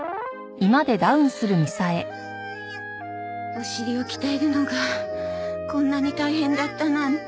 お尻をきたえるのがこんなに大変だったなんて。